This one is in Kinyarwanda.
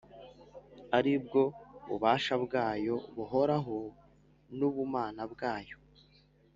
“ari bwo bubasha bwayo buhoraho n’ubumana bwayo